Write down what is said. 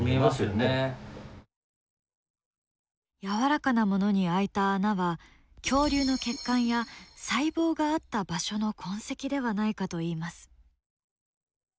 やわらかなものに開いた穴は恐竜の血管や細胞があった場所の痕跡ではないかといいます。